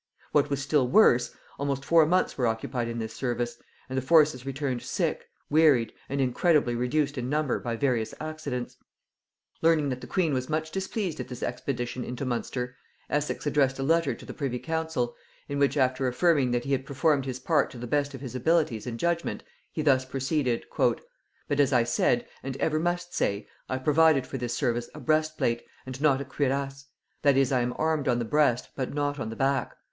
What was still worse, almost four months were occupied in this service, and the forces returned sick, wearied, and incredibly reduced in number by various accidents. Learning that the queen was much displeased at this expedition into Munster, Essex addressed a letter to the privy council, in which, after affirming that he had performed his part to the best of his abilities and judgement, he thus proceeded: "But as I said, and ever must say, I provided for this service a breastplate, and not a cuirass; that is, I am armed on the breast, but not on the back.